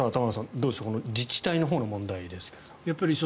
どうでしょう自治体のほうの問題ですが。